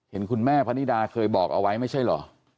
เห็นคุณแม่พนิดาเคยบอกเอาไว้ไม่ใช่เหรอ